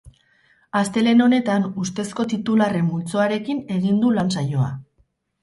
Astelehen honetan, ustezko titularren multzoarekin egin du lan-saioa.